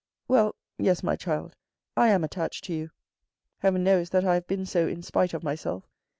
" Well yes, my child, I am attached to you. Heaven knows that I have been so in spite of myself.